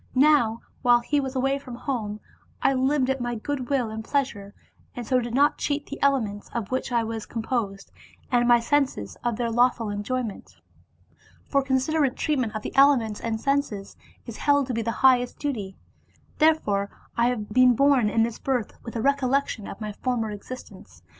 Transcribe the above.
Now while he was away from home, I lived at my good will and pleasure, and so did not cheat the elements, of which I was composed, and my senses, of their lawful enjoyment. For considerate treatment of the elements and senses is held to be the highest duty. Therefore I have been born in this birth with a recollection of my former existence.